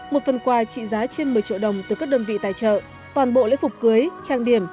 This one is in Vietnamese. một phần quà trị giá trên một mươi triệu đồng từ các đơn vị tài trợ toàn bộ lễ phục cưới trang điểm